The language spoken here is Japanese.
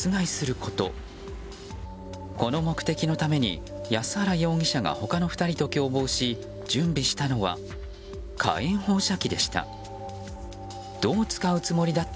この目的のために安原容疑者が他の２人と共謀し準備したのは火炎放射器でした。